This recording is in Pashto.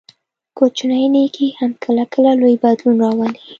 کوچنی نیکي هم کله کله لوی بدلون راولي.